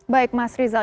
baik mas rizal